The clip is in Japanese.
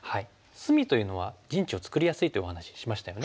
隅というのは陣地を作りやすいというお話ししましたよね。